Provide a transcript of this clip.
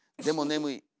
でも眠い。